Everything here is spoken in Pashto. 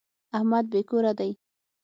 احمد بې کوره دی.